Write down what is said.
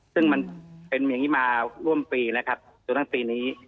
ซึ่งมันเป็นอย่างนี้มาร่วมปีแล้วครับจนทั้งปีนี้